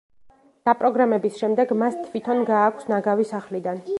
დაპროგრამების შემდეგ, მას თვითონ გააქვს ნაგავი სახლიდან.